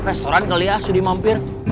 restoran kali ya sudi mampir